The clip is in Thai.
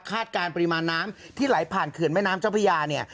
การปริมาณน้ำที่ไหลผ่านเขื่อนแม่น้ำเจ้าพระยาเนี่ย